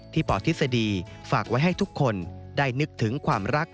ปทฤษฎีฝากไว้ให้ทุกคนได้นึกถึงความรัก